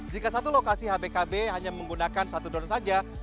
jika satu lokasi hbkb hanya menggunakan satu drone saja